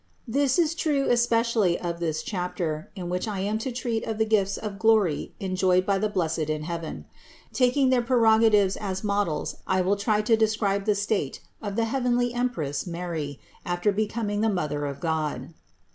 This is true especially of this chapter, in which I am to treat of the gifts of glory enjoyed by the blessed in heaven. Taking their prerogatives as models I will try to describe the state of the heavenly Empress Mary after becoming the Mother of God.